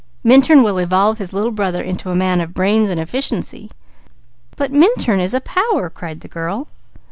Minturn will evolve his little brother into a man of brains and efficiency." "But Minturn is a power!" cried the girl.